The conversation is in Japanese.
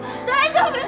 大丈夫？